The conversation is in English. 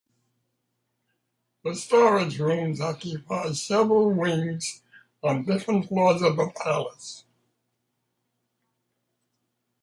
The storage rooms occupy several wings on different floors of the Palace.